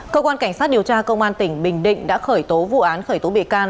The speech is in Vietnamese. cơ quan cảnh sát điều tra công an tỉnh bình định đã khởi tố vụ án khởi tố bị can